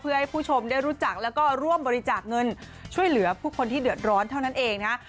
เพื่อให้ผู้ชมได้รู้จักแล้วก็ร่วมบริจาคเงินช่วยเหลือผู้คนที่เดือดร้อนเท่านั้นเองนะฮะ